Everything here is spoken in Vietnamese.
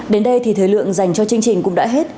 đến đây thì thời lượng dành cho chương trình cũng đã hết